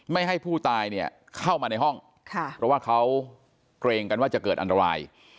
ไม่ให้ผู้ตายเนี่ยเข้ามาในห้องเพราะว่าเขาเกรงกันว่าจะเกิดอันตราย